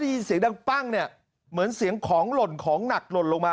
ได้ยินเสียงดังปั้งเนี่ยเหมือนเสียงของหล่นของหนักหล่นลงมา